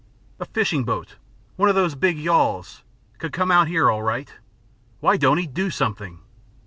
A fishing boat one of those big yawls could come out here all right. Why don't he do something?"